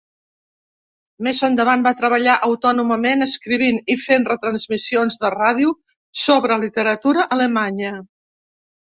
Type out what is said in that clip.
Més endavant va treballar autònomament escrivint i fent retransmissions de ràdio sobre literatura alemanya.